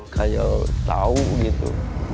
kayak tau gitu